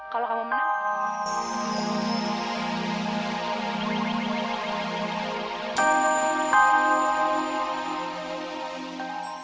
kalau kamu menang